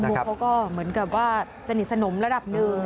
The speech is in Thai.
มุกเขาก็เหมือนกับว่าสนิทสนมระดับหนึ่ง